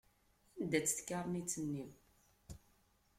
Anda-tt tkarnit-nni?